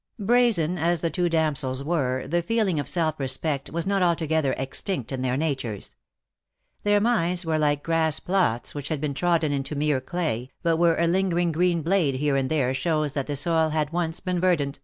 Brazen as the two damsels were the feeling of self respect was not altogether extinct in their natures. Their minds were like grass plots which had been trodden into mere clay, but where a lingering green blade here and there shows that the soil had once been verdant.